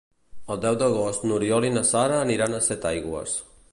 El deu d'agost n'Oriol i na Sara aniran a Setaigües.